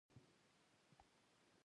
هغه کلیوالو ته نارې کړې.